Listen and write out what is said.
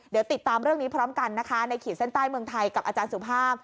เดี๋ยวติดตามเรื่องนี้พร้อมกันนะคะในขีดเส้นใต้เมืองไทยกับอาจารย์สุภาพ